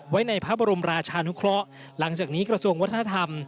ไว้ในพระบรมราชานุเคราะห์หลังจากนี้กระทรวงวัฒนธรรม